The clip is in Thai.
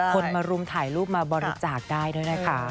คนมารุมถ่ายรูปมาบริจาคได้ด้วยนะคะ